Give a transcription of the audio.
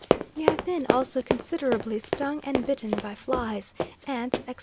You have been also considerably stung and bitten by flies, ants, etc.